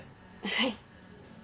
はい。